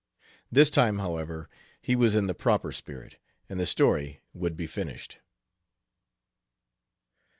This time, however, he was in the proper spirit, and the story would be finished.